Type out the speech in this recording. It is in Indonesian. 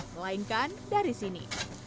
melainkan dari sini